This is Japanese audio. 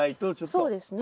そうですね。